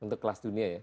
untuk kelas dunia ya